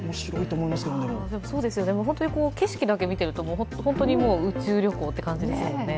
景色だけ見ていると、本当に宇宙旅行って感じですもんね。